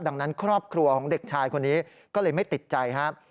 ดังนั้นครอบครัวของเด็กชายคนนี้ก็เลยไม่ติดใจครับ